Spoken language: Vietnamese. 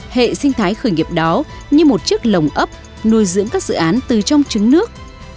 hệ sinh thái khởi nghiệp đó như một chiếc lồng ấp nuôi dưỡng các dự án từ trong trứng nước